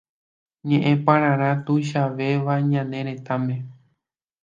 ñe'ẽpapára tuichavéva ñane retãme